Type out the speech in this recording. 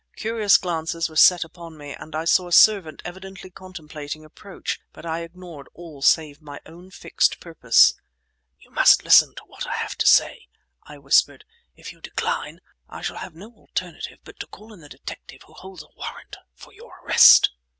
Curious glances were set upon me, and I saw a servant evidently contemplating approach; but I ignored all save my own fixed purpose. "You must listen to what I have to say!" I whispered. "If you decline, I shall have no alternative but to call in the detective who holds a warrant for your arrest!"